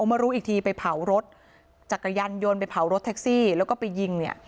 มารู้อีกทีไปเผารถจักรยานยนต์ไปเผารถแท็กซี่แล้วก็ไปยิงเนี่ย